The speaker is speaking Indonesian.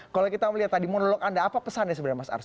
kalau kita melihat tadi monolog anda apa pesannya sebenarnya mas ars